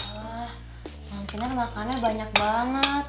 wah makinnya makannya banyak banget